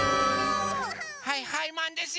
はいはいマンですよ！